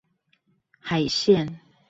海線